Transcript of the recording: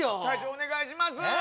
大将お願いします